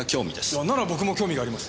いやなら僕も興味があります。